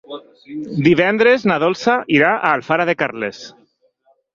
Divendres na Dolça irà a Alfara de Carles.